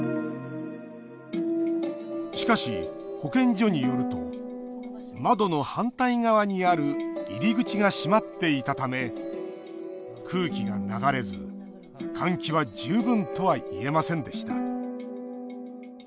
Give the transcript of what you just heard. しかし、保健所によると窓の反対側にある入り口が閉まっていたため空気が流れず換気は十分とは言えませんでした。